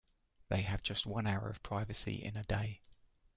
They have just one hour of privacy in a day.